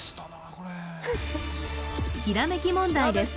これひらめき問題です